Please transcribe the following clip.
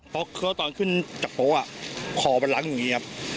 เพราะตอนขึ้นจากโป๊ะคอมันล้างอยู่อย่างนี้ครับ